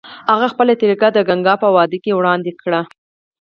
هغه خپله طریقه د ګنګا په وادۍ کې وړاندې کړه.